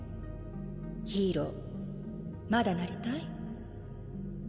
ヒーローまだなりたい？